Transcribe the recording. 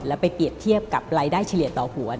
แล้วไปเปรียบเทียบกับรายได้เฉลี่ยต่อหัว